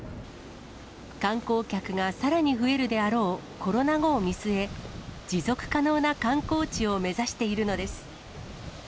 観光客がさらに増えるであろうコロナ後を見据え、持続可能な観光地を目指しているのです。